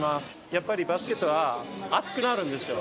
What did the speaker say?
やっぱりバスケットは熱くなるんですよ。